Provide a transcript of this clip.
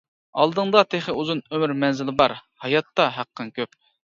ئالدىڭدا تېخى ئۇزۇن ئۆمۈر مەنزىلى بار، ھاياتتا ھەققىڭ كۆپ.